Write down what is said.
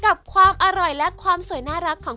กับความอร่อยและความสวยน่ารักของ